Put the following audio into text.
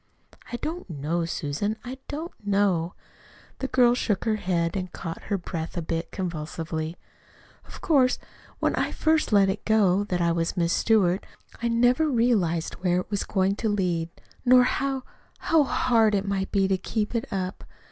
"I don't know, Susan, I don't know." The girl shook her head and caught her breath a bit convulsively. "Of course, when I first let it go that I was 'Miss Stewart,' I never realized where it was going to lead, nor how how hard it might be to keep it up.